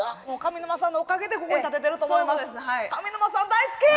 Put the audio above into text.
もう上沼さんのおかげでここに立ててると思います。